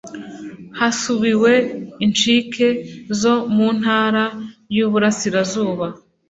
hasuwe incike zo mu Ntara y Uburasirazuba